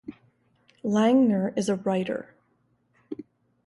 Langner is a writer.